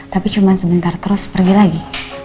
tapi cuma sebentar terus pergi lagi